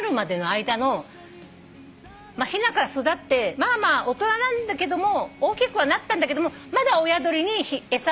ひなから育ってまあまあ大人なんだけども大きくはなったんだけどもまだ親鳥に餌もらってる。